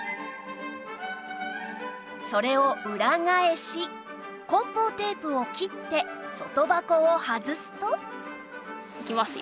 それを裏返し梱包テープを切って外箱を外すといきますよ。